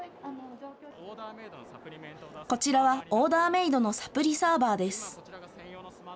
こちらはオーダーメードのサプリサーバーです。